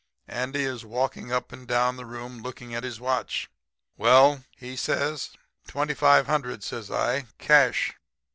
"Andy is walking up and down the room looking at his watch. "'Well?' he says. "'Twenty five hundred,' says I. 'Cash.'